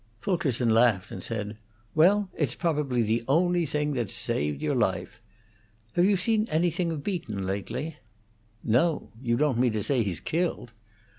Fulkerson laughed and said: "Well, it's probably the only thing that's saved your life. Have you seen anything of Beaton lately?" "No. You don't mean to say he's killed!"